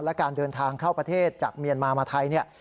และการเดินทางเข้าประเทศจากเมียนมามาไทยเนี่ย